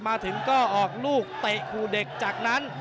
มาถึงก็ออกลูกเตะคู่เด็กจากนั้น